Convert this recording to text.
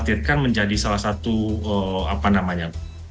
kita khawatirkan menjadi salah satu apa namanya